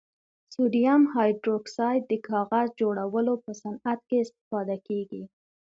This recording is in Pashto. سوډیم هایدروکسایډ د کاغذ جوړولو په صنعت کې استفاده کیږي.